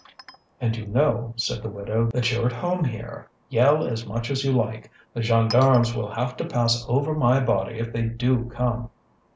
"And you know," said the widow, "that you're at home here. Yell as much as you like. The gendarmes will have to pass over my body if they do come!"